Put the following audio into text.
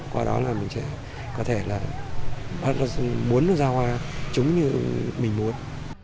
qua đó là mình có thể muốn nó ra hoa chúng như mình muốn